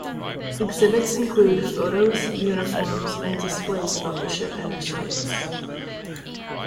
Exhibits include photos, uniforms, and displays about the ship and her service.